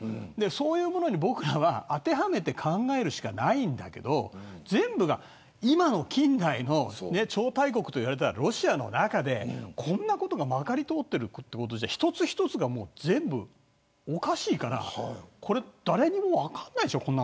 そういうものに僕らは当てはめて考えるしかないんだけど全部が今の近代の超大国と言われたロシアの中でこんなことがまかり通っているんじゃ一つ一つが全部おかしいからこれ誰にも分かんないでしょ。